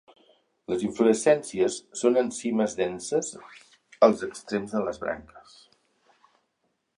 Les inflorescències són en cimes denses als extrems de les branques.